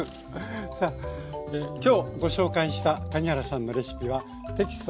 さあ今日ご紹介した谷原さんのレシピはテキスト